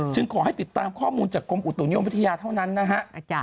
ขอให้ติดตามข้อมูลจากกรมอุตุนิยมวิทยาเท่านั้นนะฮะ